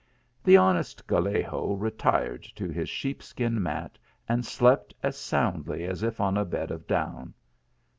The honest Gallego retired to his sheepskin mat, and slept as soundly as if on a bed of down.